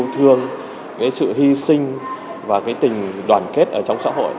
những cái thông điệp tích cực và tốt đẹp cho toàn xã hội